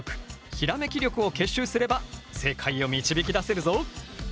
ひらめき力を結集すれば正解を導き出せるぞ。